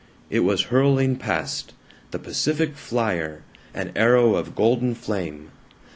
It was hurling past the Pacific Flyer, an arrow of golden flame.